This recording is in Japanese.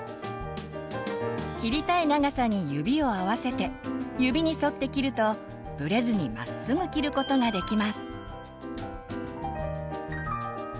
切りたい長さに指を合わせて指に沿って切るとブレずにまっすぐ切ることができます。